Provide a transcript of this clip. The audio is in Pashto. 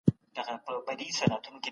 هغوی د انګورو په خوړلو اخته دي.